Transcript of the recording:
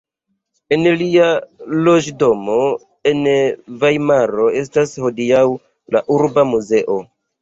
En lia loĝdomo en Vajmaro estas hodiaŭ la Urba muzeo.